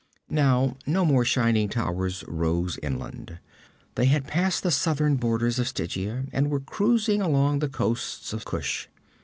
Now no more shining towers rose inland. They had passed the southern borders of Stygia and were cruising along the coasts of Kush.